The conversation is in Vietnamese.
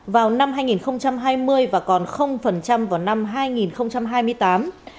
vào năm hai nghìn hai mươi và còn vào năm hai nghìn hai mươi tám